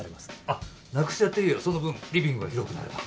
あっなくしちゃっていいよその分リビングが広くなれば。